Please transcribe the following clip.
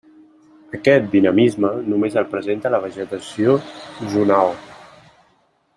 Aquest dinamisme només el presenta la vegetació zonal.